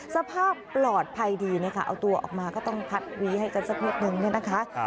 สภาพปลอดภัยดีนะคะเอาตัวออกมาก็ต้องพัดวีให้กันสักนิดนึงเนี่ยนะคะ